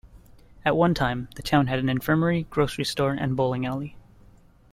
At one time, the town had an infirmary, grocery store, and bowling alley.